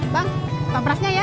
bang topraknya ya